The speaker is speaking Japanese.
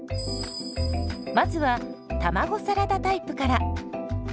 まずは卵サラダタイプから。